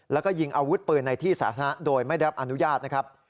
แล้วก็ยิงอาวุธปืนในที่สาธารณะโดยไม่ได้รับอนุญาตนะครับ